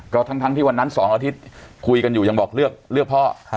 ก็ทั้งที่วันนั้น๒อาทิตย์คุยกันอยู่ยังบอกเลือกพ่อ